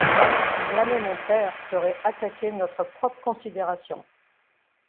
Blâmer mon père serait attaquer notre propre considération.